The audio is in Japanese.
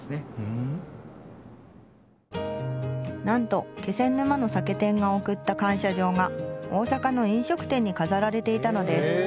なんと気仙沼の酒店が贈った感謝状が大阪の飲食店に飾られていたのです。